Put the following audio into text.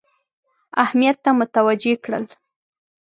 اهمیت ته متوجه کړل.